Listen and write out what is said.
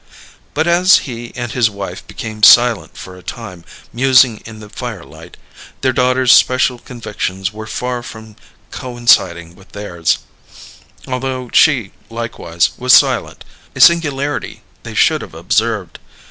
But as he and his wife became silent for a time, musing in the firelight, their daughter's special convictions were far from coinciding with theirs, although she, likewise, was silent a singularity they should have observed.